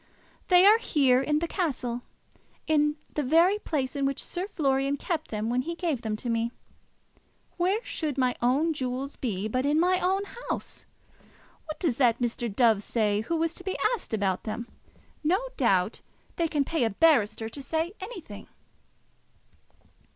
"They are here, in the castle; in the very place in which Sir Florian kept them when he gave them to me. Where should my own jewels be but in my own house? What does that Mr. Dove say, who was to be asked about them? No doubt they can pay a barrister to say anything."